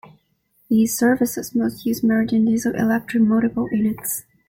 These services mostly use "Meridian" diesel-electric multiple units.